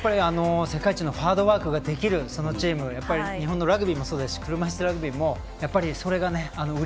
世界一のハードワークができるチーム日本のラグビーもそうですし車いすラグビーもやっぱりそれが売り